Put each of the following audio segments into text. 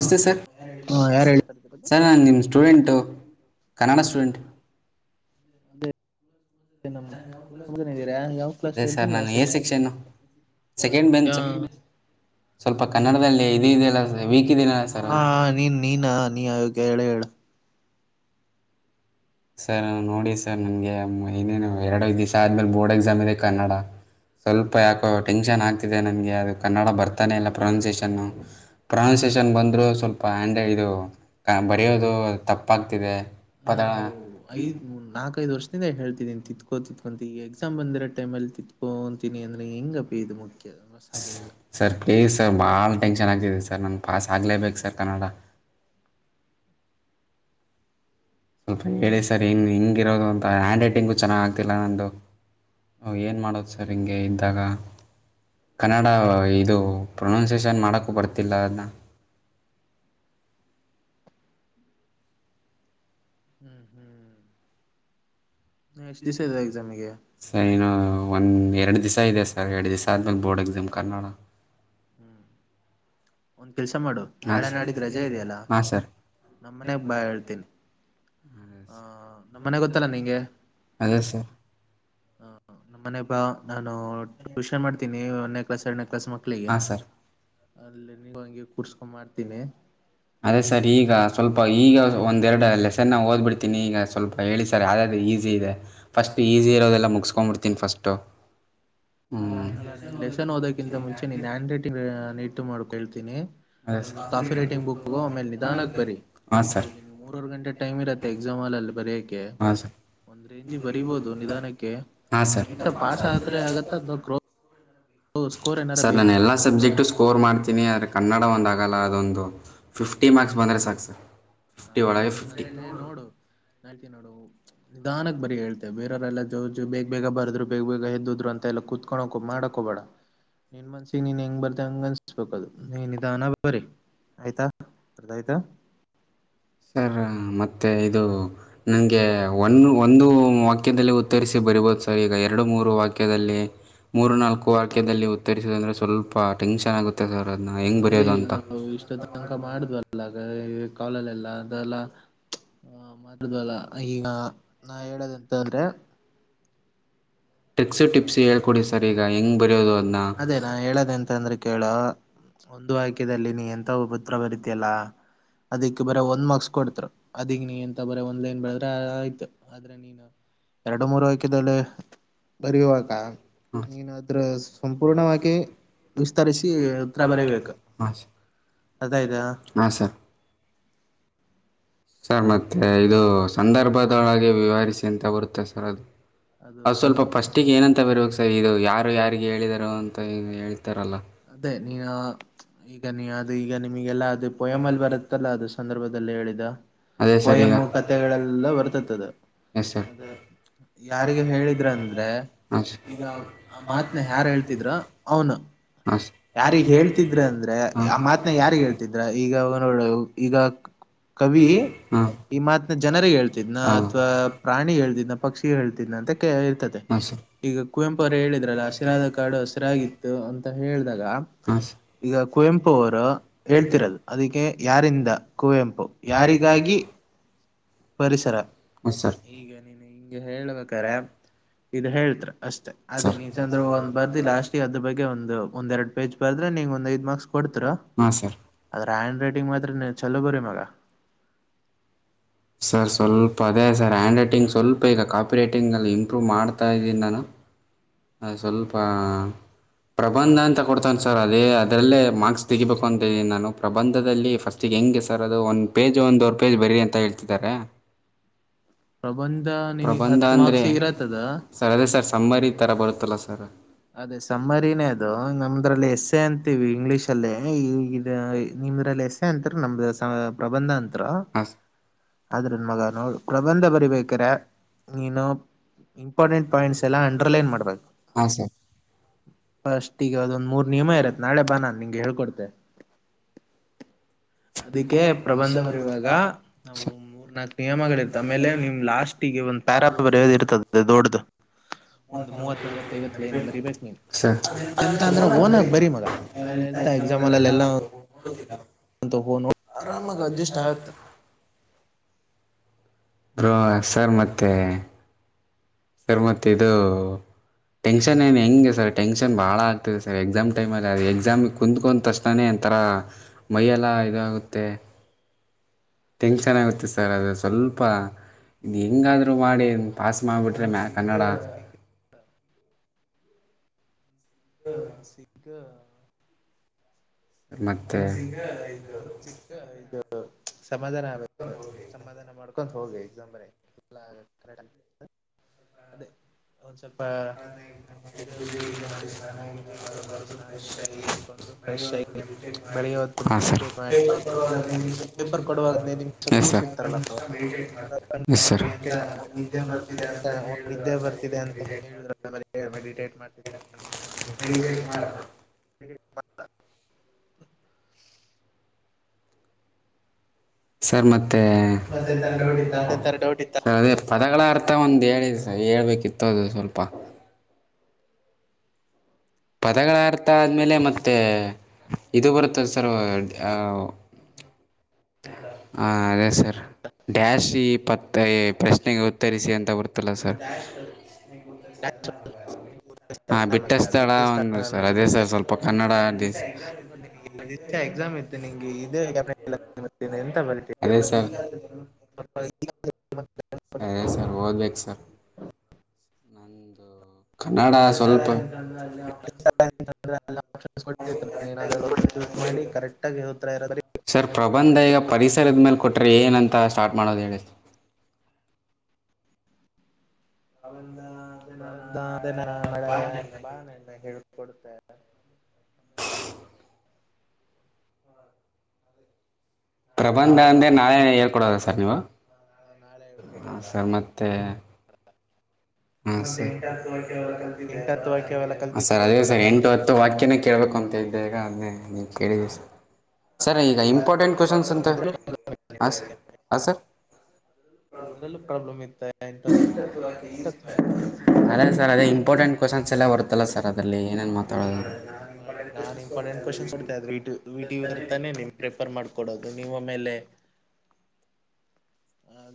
ನಸ್ತೆ sir ಹಾ ಯಾರು ಹೇಳ್ತಾರೆ ಸರ್ ನಾನು ನಿಮ್ಮ ಸ್ಟೂಡೆಂಟು ಕನ್ನಡ ಸ್ಟೂಡೆಂಟ್. [unintelligible] ನಮ್ [unintelligible] ಇದೀರ ಯಾವ್ ಕ್ಲಾಸ್ ಅದೇ ಸರ್ ಹೇಳ್ರಿ ಯಾವ್ ನಾನು ಎ ಸೆಕ್ಷನ್ ಸೆಕ್ಷನ್ನು ಸೆಕೆಂಡ್ ಬೆಂಚ್ ಸ್ವಲ್ಪ ಕನ್ನಡದಲ್ಲಿ ಇದು ಇದೆಯಲ್ಲ ವೀಕ್ ಇದೆಯಲ್ಲ ಸರ್ ಹಾ ನೀ ನೀನ್ ನೀನ ಆ [unintelligible] ಸರ್ ನೋಡಿ ಸರ್ ನನ್ಗೆ ಇನ್ನೇನು ಎರಡ ದಿವ್ಸ ಆದ್ಮೇಲೆ ಬೋರ್ಡ್ ಎಕ್ಸಾಮ್ ಇದೆ ಕನ್ನಡ ಸ್ವಲ್ಪ ಯಾಕೋ ಟೆನ್ಷನ್ ಆಗ್ತಿದೆ ನನ್ಗೆ ಅದು ಕನ್ನಡ ಬರ್ತಾನೆ ಇಲ್ಲ ಪ್ರೊನೌನ್ಸಿಯೇಷನ್ ಸೆಷನ್ ಬಂದರುೂ ಸ್ವಲ್ಪ ಆಂಡ ಇದು ಬರೆಯೋದು ತಪ್ಪಾಗ್ತಿದೆ ಅಲ್ಲ ಪದ ನಾವು ಐದ್ ನಾಕೈದು ವರ್ಷದಿಂದ ಹೇಳ್ತಿದೀನಿ ತಿತ್ಕೋತ್ಕೊಂತ ಈ ಎಕ್ಸಾಮ್ ಬಂದಿರ ಟೈಮ್ಲ್ಲಿ ತತ್ಕೊತೀನಿ ಅಂದ್ರೆ ಹೆಂಗಪ್ಪ ಇದು ಮುಖತಿ ಸರ್ಪೇಶರ್ ಬಲ್ ಟೆನ್ಷನ್ ಆಗ್ತಿದೆ ಸರ್ ನಂಗೆ ಪಾಸ್ ಆಗಲೇಬೇಕು ಸರ್ ಕನ್ನಡ ಸ್ವಲ್ಪ ಹೇಳಿ ಸರ್ ಹೆಂ ಹಿಂಗಿರೋದು ಅಂತ ಹ್ಯಾಂಡ್ ರೈಟಿಂಗು ಚೆನ್ನಾಗ್ ಆಗ್ತಿಲ್ಲ ನನ್ನದು ಹ ಏನು ಮಾಡೋದು ಸರ್ ಹಿಂಗೆ ಇದ್ದಾಗ ಕನ್ನಡ ಇದು ಪ್ರೊನೌನ್ಸಿಯೇಷನ್ ಮಾಡಕ್ಕೂ ಬರ್ತಿಲ್ಲ ಅದನ್ನ [inaudible] ಹ್ಮ್ ಹ್ಮ್ ಎಷ್ಟ್ ದಿವಸ ಇದೆ ಎಕ್ಸಾಮಿಗೆ ಸೈನ ಒಂದ ಎರಡು ದಿವಸ ಇದೆ ಸರ್ ಎರಡು ದಿವಸ ಆದ್ಮೇಲೆ ಬೋರ್ಡ್ ಎಕ್ಸಾಮ್ ಕನ್ನನಾಡ ಹ್ಮ್ ಒ ಕೆಲ್ಸ ಮಾಡು ಹಾಂ ನಾಳೆ ಸರ್ ನಾಡಿಗೆ ರಜೆ ಇದೆಯಲ್ಲ ಹಾಂ ಸರ್ ನಮ್ಮ್ ಮನೆಗ್ ಬಾ ಹೇಳ್ತೀನಿ ಹಹ ನಮ್ಮನೆ ಗೊತ್ತಲ್ಲ ನಿಂಗೆ ಅದೇ ಸರ್ ಹ ನಮ್ಮ ಮನೆಬಾ ನಾನು ಟ್ಯೂಷನ್ ಮಾಡ್ತೀನಿ ಒಂದೇ ಕ್ಲಾಸ್ ಎರನ ಅಕ್ಕಸ ಮಕ್ಳಿಗೆ ಹಾಂ ಸರ್ ಅಲ್ಲ ನೀ ಹಗೆ ಕುೂರ್ಸ್ಕೊಂಡ್ ಮಾಡ್ತೀನಿ ಅದೇ ಸರ್ ಈಗ ಸ್ವಲ್ಪ ಈಗ ಒಂದೆರಡು ಅಲ್ಲೇ ಸರ್ ನಾ ಓದ್ಡ್ತೀನಿ ಈಗ ಸ್ವಲ್ಪ ಹೇಳಿ ಸರ್ ಯದದು ಈಸಿ ಇದೆ ಫಸ್ಟ್ ಈಸಿ ಇರೋದೆಲ್ಲ ಮುಗಸ್ಕೊಂಡ್ಬಡ್ತೀವಿ ತಿನ್ಫಷ್ಟಟ ಅಲ್ಲಾ ನೀನ್ ಲೆಸನ್ ಓದಕ್ಕಿಂತ ಮುಂಚೆ ನೀನ್ ಹ್ಯಾಂಡ್ ರೈಟಿಂಗ್ ಮಾಡ್ಕ ಹೇಳ್ತೀನಿ ಅದೇ ಒಂದು ಸರ್ ಕಾಫಿ ರೈಟಿಂಗ್ ಬುಕ್ ಆಮೇಲೆ ನಿಧಾನಕ್ಕೆ ಬರರಿ ಹಾಂ ಸರ್ ಅಲ್ಲಿ ನೀ ಮೂರವರ್ ಗಂಟೆ ಟೈಮ್ ಇರತ್ತೆ ಎಕ್ಸಾಮ್ಲ್ಲಿ ಅಲ್ಲಿ ಬರೆಯಕೆ ಹಾಂ ಸರ್ ಒಂದ್ರ ಇಂಚಿ ಬರಿಬೋದು ನಿಧಾನಕ್ಕೆ ಹಾಂ ಸರ್ ಹಂಗಗೆಂತ ಪಾಸ್ ಆದ್ರೆ ಆಗತ್ತ ಅಂದ ಕ್ರ ಸರ್ ನಾನು ಎಲ್ಲಾ ಸಬ್ಜೆಕ್ಟ ಸ್ಕೋರ್ ಮಾಡ್ತೀನಿ ಆದ್ರೆ ಕನ್ನಡ ಒಂದ ಆಗಲ್ಲ ಅದೊಂದು ಫಿಫ್ಟ ಫಿಫ್ಟಿ ಮಾರ್ಕ್ಸ್ ಬಂದರೆ ಸಾಕು ಸರ್ ಫಿಫ್ಟಿ ಒಳಗೆ ಫಿಫ್ಟಿ ನಾಳ್ತಿ ನೋಡು ನಿಧಾನಕ್ ಬರಿ ಹೇಳ್ತೆ ಬೇರರೆಲ್ಲ ಜೋಜ ಬೇಗ ಬೇಗ ಬರ್ರು ಬೇಗ ಬೇಗ ಎದ್ ಅಂತ ಎಲ್ಲ ಕುತ್ಕೋಳಕ ಮಾಡಕೋ ಬೇಡ ನೀನ್ ಮನ್ಸಿ ನೀನ್ ಹೆಂಗ್ ಬರ್ ಹಂಗ ಅನ್ಸ್ಬೇಕ ಅದು ನೀನ್ ಇದಾನ ಬರೀ ಆಯ್ತಾ [unintelligible] ಸರ್ ಮತ್ತೆ ಇದು ನನಗೆ ಒಂದು ಒಂದು ವಾಕ್ಯದಲ್ಲಿ ಉತ್ತರಿಸಿ ಬರಿಬೋದು ಸರ್ ಈಗ ಎರಡು ಮೂರು ವಾಕ್ಯದಲ್ಲಿ ಮೂರು ನಾಲ್ಕು ವಾಕ್ಯದಲ್ಲಿ ಉತ್ತರಿಸುವ ಅಂದ್ರೆ ಸ್ವಲ್ಪ ಟೆನ್ಷನ್ ಆಗುತ್ತೆ ಸರ್ ಅದನ್ನ ಹೆಂಗೆ ಅದೇ ಬರೆಯೋದು ಈಗ ಅಂತ ನಾವು ಇಷ್ಟು ತನಕ ಮಾಡ್ವಲ್ಲ ಕಾಲಲ್ಲೆಲ್ಲ ಅದೆಲ್ಲ ಹ ಮದದವಲ್ಲ ಈಗ ನಾ ಹೇಳದಂತ ಅಂದ್ರೆ ಟ್ರಿಕ್ಸ್ ಟಪ್ಸ್ ಹೇಳ್ಕೊಡಿ ಸ ಈಗ ಹೆಂಗ್ ಬರಯೋದು ಅದೇ ನಾನ ಹೇಳದೆ ಅಂತ ಅಂದ್ರೆ ಕೇಳ ಒಂದು ವಕ್ಯದಲ್ಲಿ ನೀ ಎಂತ ಪುತ್ರ ಬರಿತಿಯಲ್ಲಾ ಅದಿಕ್ಕೆ ಬರ ಮಗಸ್ಕ ಕೊಡ್ತ ಅದಿಗ್ ನೀ ಎಂತ ಬರ ಒಂದ ಲೈನ್ ಬೆಳದ್ರೆ ಆಯ್ತು ಆದ್ರೆ ನೀನು ಎರಡು ಮೂರು ಆಯ್ಕಿದಲ್ಲಿ ಹಾಂ ಬರಿಯುವಾಗನೀನು ಅದ್ರಸ್ ಸಂಪೂರ್ಣವಾಗಿ ವಿಸ್ತರಿಸಿ ಹತ್ರ ಬರೀಬೇಕು ಹಾ ಸರ್ ಸರ್ ಮತ್ತೆ ಇದು ಸಂದರ್ಭದೊಳಗೆ ವಿವರಿಸಿ ಅಂತ ಬರುತ್ತೆ ಸರ್ ಅದು ಅದು ಸ್ವಲ್ಪ ಫಸ್ಟಿಗೆ ಏನಂತ ಬರ್ಬೇಕು ಸರ್ ಇದು ಯಾರು ಯಾರಿಗೆ ಹೇಳಾರ ಅಂತ ಹೇಳ್ತಾರಲ್ಲ ಅದೇ ನೀ ಈಗ ನೀ ಅದು ಈಗ ನಿಮಗೆಲ್ಲಾ ಅದು ಪೊಯಮ್ ಮಲ್ಲಿ ಬರುತ್ತಲ್ಲ ಅದು ಸಂದರ್ಭ ದಲ್ಲಿ ಹೇಳಿದ ಅದೇ ಸರ್ ಈಗ ಪೋಯಮ್ಮು ಕಥೆಗಳೆಲ್ಲ ಬರ್ತತದ ಎಸ್ ಸರ್ ಅದೇ ಯಾರಿಗೆ ಹೇಳಿದ್ರ ಅಂದ್ರೆ ಹಾಂ ಸರ್ ಈಗ ಆ ಮಾತ್ನ ಯಾರ ಹೇಳ ತಿದ್ರೋ ಅವ್ನು ಹಾಂ ಸರ್ ಯಾರಿಗ್ ಹೇಳ್ತಿದ್ರ ಅಂದ್ರೆ ಆ ಮಾತ್ನ ಯಾರಿಗ್ ಹೇಳ್ತಿದ್ರ ಈಗ ನೋ ಈಗ ಕವಿ ಹಾಂ ಈ ಮಾತ್ನ ಜನರಿಗೆ ಹೇಳ್ತಿದ್ನ ಹಾಂ ಅಥವಾ ಪ್ರಾಣಿ ಹೇಳ್ತಿದ್ನ ಪಕ್ಷಿಗ್ ಹೇಳ್ ಅಂತ ಇರ್ತದೆ ಹಾಂ ಸರ್ ಈಗ ಕುವೆಂಪು ಅವರು ಹೇಳಿದ್ರಲ್ಲ ಹಸಿರಾದ ಕಾಡು ಹಸಿರಾಗಿತ್ತು ಅಂತ ಹೇಳಿದಾಗ ಹಾಂ ಸರ್ ಈಗ ಕುವೆಂಪು ಅವರು ಹೇಳ್ತಿರದು ಅದಕ್ಕೆ ಯಾರಿಂದ ಕುವೆಂಪು ಹ ಯಾರಿಗಾಗಿ ಪರಿಸರ ಈಗ ನೀನು ಹಿಂಗ ಹೇಳ್ಬೇಕಾರೆೆ ಇದ್ ಹೇಳ್ತ್ರ ಅಷ್ಟೇ ಅದೇ ಸರ್ ನೀನ್ ಚಂದ್ರ ಒಂದ್ ಬರ್ದಿ ಲಾಸ್ಟಗೆ ಅದ್ರ ಬಗ್ಗೆ ಒಂದು ಒಂದ ಎರಡು ಪೇಜ ಬರದ್ರೆ ನೀಂಗ ಒಂದ ಐದು ಮಾರ್ಕ್ಸ್ ಕೊಡ್ತ್ರ ಹಾಂ ಸರ್ ಹ್ಯಾಂಡ ರೈಟಿಂಗ್ ಮಾತ್ರ ನೀ ಚಲೋ ಬರಿೀ ಮಗ ಸರ್ ಸ್ವಲ್ಪ ಅದೇ ಸರ್ ಹ್ಯಾಂಡ್ ರೈಟಿಂಗ ಸ್ವಲ್ಪ ಈಗ ಕಾಪಿ ರೈಟಿಂಗಲ್ಲಿ ಇಂಪ್ರೂವ್ ಮಾಡ್ತಾ ಇದ್ದೀನಿ ನಾನು ಅ ಸ್ವಲ್ಪಾ ಪ್ರಬಂಧ ಅಂತ ಕೊಡ್ತನ ಸರ್ ಅದೇ ಅದ್ರಲ್ಲೇ ಮಾರ್ಕ್ಸ್ ತೆಗಿಬೇಕು ಅಂತೀನಿ ನಾನು ಪ್ರಬಂಧದಲ್ಲಿ ಫಸ್ಟೀ ಹೆಂಗೆ ಸರ್ ಅದು ಒಂದು ಪೇಜು ಒಂದುವರೆ ಪೇಜ್ ಬರಿ ಅಂತ ಹೇಳ್ತಿದ್ದಾರೆ ಪ್ರಬಂಧ ನಿನಗ್ ಪ್ರಬಂಧ ಹತ್ತು ಅಂದರೆ ಮಾರ್ಕ್ಸ್ ಇರತ್ತದ ಸರ್ ಅದೇ ಸರ್ ಸಮ್ಮರಿ ಥರ ಬರುತ್ತಲ್ಲ ಸರ್ ಅದೇ ಸಮ್ಮರಿನೇ ಅದು ನಮ್ದ್ರಲ್ಲಿ ಎಸ್ ಎ ಅಂತೀವಿ ಇಂಗ್ಲಿೀಷ್ ಅಲ್ಲಿ ಈ ನಿಮ್ರಲ್ಲಿ ಎಸ್ಸೆ ಅಂತ್ರ ನಮ್ದ ಪ್ರಬಂಧ ಅಂತ್ರು ಹಾಂ ಆದ್ರೆ ನ್ ಮಗ ನೋ ಪ್ರಬಂಧ ಬರಿಬೇಕ್ರೇ ನೀನು ಇಂಪಾರ್ಟೆಂಟ್ ಪಾಯಿಂಟ್ಸ್ ಎಲ್ಲ ಅಂಡರ್ಲೈನ್ ಮಾಡ್ಬೇಕು ಹಾಂ ಸರ್ ಫಸ್ಟಿಗೆ ಅದೊಂದ ಮೂರ ನಿಯಮ ಇರತ್ ನಾಳೆ ಬಾ ನಾ ನಿಂಗ ಹೇಳ್ಕೊಡ್ತೆ ಅದಿಕ್ಕೆ ಪ್ರಬಂಧ ಬರೆಯುವಾಗ ನ ಮೂರ ನಾಲ್ಕು ನಿಯಮಗಳ ಇರ್ತ್ತ ಆಮೇಲೆ ನಿಮ್ ಲಾಸ್ಟಿಗೆ ಒಂದ್ ಪ್ಯಾರಾ ಬರಯೋದ ಇರ್ತದೆ ದೊಡ್ಡ್ದು ಒಂದು ಮೂವತ ನಲ್ವತ್ತೈವತ್ತು ಲೈನ್ ಬರಿಬೇಕು ನೀನ್ ಸರ್ ಎಂತ ಅಂದ್ರೆ ಓನಾಗ ಬರಿ ಮಗ ಎಂತ ಎಕ್ಸಾಮ ಅಲ್ಲಲ್ಲಿ ಎಲ್ಲಾ ಅಂತ ಓನ್ ಆರಾಮಾಗಿ ಅಡ್ಜಸ್ಟ್ ಆಗತ್ತ ಬ್ರೋ ಸರ್ ಮತ್ತೆ ಸರ್ ಮತ್ತ ಇದು ಟೆನ್ಷನ ಏನ್ ಹೆಂಗೆ ಸರ್ ಟೆನ್ಷನ್ ಬಹಳ ಆಗ್ತದೆ ಸರ್ ಎಕ್ಸಾಮ್ ಟೈಮ್ ಅಲ್ಲಿ ಅ ಎಕ್ಸಾಮಿ ಕುತ್ಕೊಂಡ್ ತಕ್ಷ್ಣಾನೇ ಒಂಥರಾ ಮೈಯೆಲ್ಲ ಇದಾಗುತ್ತೆ ಟೆನ್ಷನ್ ಆಗುತ್ತೆ ಸರ್ ಅದೇ ಸ್ವಲ್ಪ ಹೆಂಗಾದ್ರು ಮಾಡಿ ಪಾಸ ಮಾಡ್ಬಿಟ್ರೆ ಮಾ ಕನ್ನಡ ಅನ್ [unintelligible] ಸಿಗ್ಗ ಮತ್ತೆ [inaudible] ಮನ್ಸಿಗ ಇದು ಸಮಾಧಾನ ಆಗ ಸಮಾಧಾನ ಮಾಡ್ಕ ಹೋಗಿ ಎಕ್ಸಾಮ್ ಬರಿಯಕ್ಕೆ [unintelligible] ಅದೇ ಒಂದ ಸ್ವಲ್ಪ ದೇವ್ರ ಪ್ರಾರ್ಥನೆ ಗೀರ್ಥನೆ ಮಾಡಿ ಪೂಜೆ ಗೀಜೆ ಮಾಡಿ ಸ್ನಾನಗಿನ ಮಾಡ್ಕೊಂಡು ಫ್ರೆಶ್ ಆ ಬೆಳಿಗ್ಗೆ ಹೊತ್ತು ಹಾ ಸರ್ ಮೆಡಿಟೇಟ್ ಮಾಡಿ ಪೇಪರ್ ಕೊಡುವಾಗ ಹದಿನೈದು ನಿಮಿಷ ಎಸ್ ಸರ್ ಕೂರಿಸಿರ್ತಾರಲ್ಲ ಎಸ್ ಸರ್ [unintelligible] ಮೆಡಿಟೇಟ್ ಮಾಡ್ತೀರಾ ಅವ್ರಿಗೆ ಅವ್ರು ನಿದ್ದೆ ಬರ್ತಿದೆ ಅಂತ ಮೆಡಿಟೇಟ್ ಮಾಡ್ತ ಮುಚ್ಕೊಂಡಿದ್ದೆ ಅಂತ ಹೇಳ [unintelligible] ಸರ್ ಮತ್ತೆ ಮತ್ತೆಂತಾರ ಡೌಟ್ ಇತ್ತ ಸರ್ ಅದೇ ಪದಗಳ ಅರ್ಥ ಒಂದ್ ಹೇಳಿದೆ ಸರ್ ಹೇಳ್ಬೇಕಿತ್ ತ್ತದು ಸ್ವಲ್ಪ ಪದಗಳ ಅರ್ಥ ಆದ್ಮೇಲೆ ಮತ್ತೆ ಇದು ಬರುತ್ತದೆ ಸರ್ ಹಾ ಅದೇ ಸರ್ ಡ್ಯಾಶ್ ತಿ ಪತ್ತೆ ಪ್ರಶ್ನೆಗೆ ಉತ್ತರಿಸಿ ಅಂತ ಬರುತ್ತಲ್ಲ ಸರ್. [unintelligible] ಹಾ ಬಿಟ್ಟ ಸ್ಥಳ ಬಿಟ್ಟು ಒಂದ ಸರ್ ಅನ್ನೋದು ಅದೇ ಸರ್ ಸ್ವಲ್ಪ ಕನ್ನಡ ಡಿ ಅ ಎಕ್ಸಾಮ ಇತ್ತ ನಿಂಗೆ [unintelligible] ಅದೇ ಸರ್ [unintelligible] ಅದೇ ಸರ್ ಓದ್ಬೇಕು ಸರ್ [unintelligible] ನಂದು ಕನ್ನಡ ಸ್ವಲ್ಪ [unintelligible] ಎಲ್ಲ ಆಪ್ಷನ್ಸ್ ಕೊಟ್ಟತ್ತು ಏನಾದ್ರ ಒನ ಚುರ ಮಾಡಿ ಕರೆಕ್ಟಾಗಿ ಹ ಇರೀ ಸರ್ ಪ್ರಬಂಧ ಈಗ ಪರಿಸರದ ಮೇಲ ಕೊಟ್ಟರೆ ಏನಂತ ಸ್ಟಾರ್ಟ್ ಮಾಡೋದು ಹೇಳಿ. ಅ ಪ್ರಬಂಧ ಅದೇ ನಾಳೆ ಬಾ ನಾ ಎಲ್ಲಾ ಹೇಳ್ ಕೊಡ್ತೆ. ಪ್ರಬಂಧ ನಾಳೆ ಅಂದೆ ನಾಳೆ ಹೇಳ್ಕೊಡೋದ ಸರ್ ನೀವು. ಹ ನಾಳೆ ಕೊಡ್ತ ಹಾಂ ಪ್ರಭ ಹ ಸ ಮತ್ತೆ ಎಂಟತ್ತು ವಾಕ್ಯ ಅವೆಲ್ಲ ಸರ್ ಕಲ್ತಿದ್ದೆ ಅದೇ ಸರ್ ಬರತ್ತಾ ಎಂಟು ನಿಂಗೆ ಹತ್ತು ವಾಕ್ಯನ ಕೇಳ್ಬೇಕು. ಅಂತ ಇದ್ದ ಈಗ ಅನ್ನೇ ನೀ ಕೇಳ ಸರ್ ಈಗ ಐ ಇಂಪಾರ್ಟೆಂಟ್ ಕ್ಯೂಸ್ಷನ್ಸ್ ಅಂತೇ ಆಸ ಆ ಸರ್. ಎಂಟ ಹತ್ತ ವಾಕ್ಯದಲ್ಲಿ ಎಂಟ್ ಹತ್ತ ಈಜಿ ಅದೇ ಸರ್ ಅದೇ ಇಂಪಾರ್ಟೆಟ್ ಕ್ಯೂಸ್ಷನ್ಸ್ ಎಲ್ಲ ಬರುತ್ತಲ್ಲ ಸ ಅದಲ್ಲಿ ನೇನ್ ಮಾತ ಈಗ ನೋಡ ನಾನ್ ಇಂಪಾರ್ಟೆಂಟ್ ಕ್ವಶನ್ ಹೋಡ್ತಾ ಇದ್ರ ವಟ ಇದರ ನಿ ಫಾರ್ ಮಾಡಕೊಡದು ನಿಮ್ಮ ಮೇಲೆ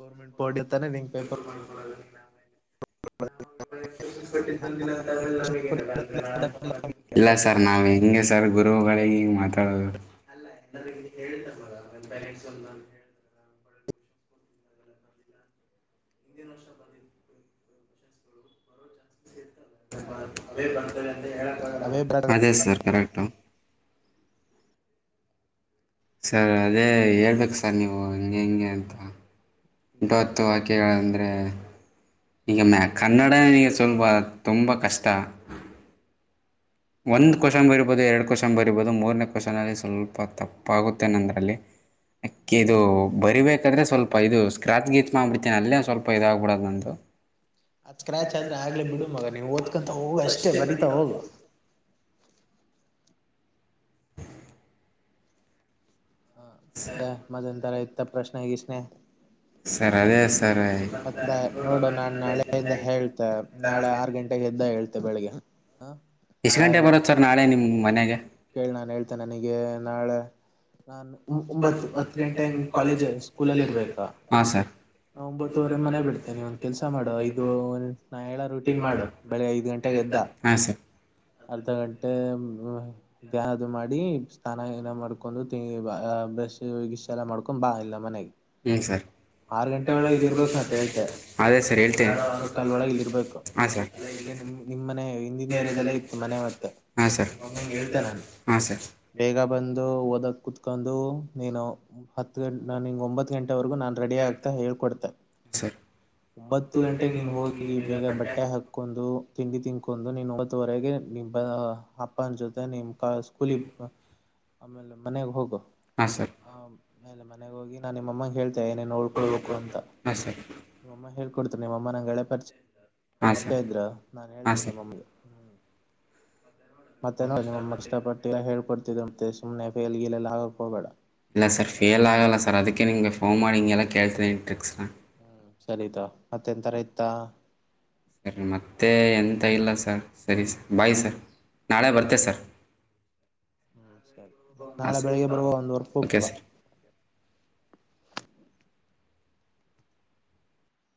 ಗೌರ್ಮೆಂಟ್ ಪೋಡ್ ನತಾನೇ ನೀ ಪೇಪರ್ [unintelligible] [unintelligible] [unintelligible] ಇಲ್ಲ ಸರ್ ನಾವ್ ಹೆ ಸರ್ ಗುರುಗಳಿಗೆ ಹಿಂಗ ಮಾತಾಡೋದು. [unintelligible] [unintelligible] [unintelligible] ಅವೇ ಬರ [unintelligible] ಅದೇ ಸರ್ ಕರೆಕ್ಟ್ ಸ ಅದೇ ಹೇಳ್ಬೇಕ ಸರ್ ನೀವು ಹಂ ಹೆಂಗೆ ಅಂತ. ಬತ್ತು ವಾಕ್ಯಗಳಂದ್ರೆ ಈಗ ಮ ಕನ್ನಡನೇ ಸ್ವಲ್ಪ ತುಂಬಾ ಕಷ್ಟ. ಒಂದ ಕ್ಯೂಸ್ಷನ್ ಬರಿಬೊದು ಎರಡ ಕ್ಯೂಸ್ಷನ್ ಬರೀಬೋದು ಮೂರನೇ ಕ್ವಶನಲ್ಲಿ ಸ್ವಲ್ಪ ತಪ್ಪಾಗುತ್ತೆ ನಂದ್ರಲ್ಲಿ ಅಕ್ಕ ಇದು ಬರಿಬೇಕಾದ್ರೆ ಸ್ವಲ್ಪ ಇದು ಸ್ಕ್ರಾಚ್ ಗೀಚ್ ಮಾಡ್ಬಿಡ್ತೀನಿ ಅಲ್ಲೇ ಸ್ವಲ್ಪ ಇದ ಆಗಬಿಡೋದು ನಂದು ಅದ್ ಸ್ಕ್ರಾಚ್ ಆದ್ರೆ ಆಗ್ಲೇ ಬಿಡು ಮಗ ನೀನ್ ಓದ್ಕೊಂತ ಹೋಗು ಅಷ್ಟೇ ಬರಿತಾ ಹೋಗು. [unintelligible] ಹ ಮತ್ತೆ ಮದ್ನ್ ತರ ಇತ್ತ ಪ್ರಶ್ನೆ ಗಿಶ್ನೆ ಸರ್ ಅದೇ ಸರ್ ಮತ್ತೆ ನೋಡು ನಾನ್ ನಾಳೆಯಿಂದ ಹೇಳ್ತೆ ನಾಳೆ ಆರ್ ಗಂಟೆಗೆ ಎದ್ದ ಹೇಳ್ತೆ ಬೆಳಿಗ್ಗೆ ಹಾ ಎಷ ಗಂಟೆ ಬರುತ್ ಸರ್ ನಾಳೆ ನಿಮ್ ಮನೆ ಕೇಳಿ ನಾನ್ ಹೇಳ್ತೇ ನನಗೆ ನಾಳೆ ನಾ ಒಂಬತ್ ಹತ್ತ ಗಂಟೆ ಹಂಗ ಕಾಲೇಜ್ ಸ್ಕೂಲಲ್ಲಿ ಇರ್ಬೇಕ. ಹಾಂ ಸರ್ ಒಂಬತ್ತುವರೆ ಮನೆ ಬಿಡ್ತೇನೆ ನೀ ಒಂದ ಕೆಲಸ ಮಾಡೋ ಐದು ರುಟೀನ್ ಮಾಡು ಬೆಳಗ್ ಐದು ಗಂಟೆಗೆ ಹಾ ಸರ್. ಅರ್ಧಾ ಘಂಟೆ ಬ ಬ್ಯಾ ಅದು ಮಾಡಿ ಸ್ನಾನ ಮಾಡ್ಕೊಂಡು ಬ್ರಷ್ ಗಿಶ ಎಲ್ಲ ಮಾಡ್ಕೊಂಡು ಬಾ ಇಲ್ಲ ಮನೆಗೆ ಹ್ಮ ಸರ್. ಆರು ಗಂಟೆ ಒಳಗೆ ಇಲ್ಲಿ ಇರ್ಬೇಕು ಮತ್ತೆ ಹೇಳ್ತೆ [unintelligible] ಅದೇ ಸರ್ ಹೇಳ್ತೇನೆ ಆರು ಹಾ ಸರ್. ನಿ ನಿಮ್ ಮನೆ ಹಿಂದಿನ ಏರಿಯದಲ್ಲೇ ಇತ್ತು ಮನೆ ಮತ್ತ ಹಾ ಸರ್. ನಾನು ಹಾಂ ಸರ್ ಹಾಂ ಸರ್ ಹಾಂ ಸರ್ ಬೇಗ ಬಂದು ಓದ ಕುತ್ ಒಂದು ನೀನು ಹತ್ತು ಗಂ ನ ನೀ ಒಂಬತ್ತ ಗಂಟ ವರೆಗೂ ನಾನು ರೆಡಿ ಆಗ್ತಾ ಹೇಳ್ಕೊಡ್ತೆ. ಒಂಬತ್ತು ಗಂಟೆ ನೀನ್ ಹೋಗಿ ಬೇಗ ಬಟ್ಟೆ ಹಾಕೊಂಡು ತಿಂಡಿ ತಿನ್ ಕೊಂಡು ನೀನು ಮೂವತ್ತುವರೆಗೆ ನಿ ಅಪ್ಪನ ಜೊತೆ ನಿಮ್ ಕ ಸ್ಕೂಲಿ ಆಮೇಲೆ ಮನೆಗೆ ಹೋಗು. ಹಾ ಸರ್. ಆಮೇಲೆ ಮನೆಗೆ ಹೋಗಿ ನಾ ನಿಮ್ಮಗೆ ಹೇಳ್ತೇ ಏೇನು ಉಓಳ್ಕೊಳ್ಬೇಕು ಅಂತ ಹಾಂ ಸರ್ ನಿಮ್ಮಮ್ಮ ಹಳ್ ಕೊಡ್ತ ನಿಮ್ಮಮ್ಮ ನಂಗೆಳೆ ಪರಿಚ ಹಾಂ ಸರ್ ಇದ್ರ ನಾನನ್ ಹಾಂ ಹೇಳ್ತೇನೆ ಸರ್ ಮಮಗೆ. ನೋ ನಿಮ್ಮಮ್ಮ ಇಷ್ಟಪಟ್ಟಿಲ್ಲಲ್ಲ ಹೇಳ್ೊಡ್ತಿದರ ಮಂತೆ ಸು್ನೆ ಫೇಲ್ ಗಲ್ಲ ಆಗಕ್ ಹೋಗಬೇಡ. ಇಲ್ಲ ಸರ್ ಫೇಯಲ್ ಆಗಲ್ಲ ಸರ್ ಅದಕ್ಕೆ ನಿಗೆ ಫೋನ್ ಮಾಡಿಂಗೆಲ್ಲ ಕೇಳ್ತೀನಿ ಟ್ರಿಕ್ಸ್ನ. ಹ್ಮ್ ಸರಿತ ಮತ್ತೆ ತರ ಇತ್ತ. ಸರಿ ಮತ್ತೆ ಎಂತ ಇಲ್ಲ ಸರ್ ಸರಿ ಸ ಬಾಯ್ ಸರ್. ನಾಳೆ ಬರ್ತೆೇ ಸರ್. ಹ್ಮ್ ಸರಿ ಮತ್ತತ್ ಹಾಂ ನಾಳೆ ಸರ್ ಬೆಳಿಗ್ಗೆ ಬರುವ ಒಂದ್ ವರ್ಕ್ ಓಕೆ ಹೋಗ್ತಂಬ. ಸರ್